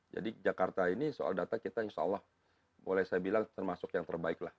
jadi jakarta ini soal data kita insya allah boleh saya bilang termasuk yang terbaik lah